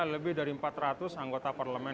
lebih dari empat ratus anggota parlemen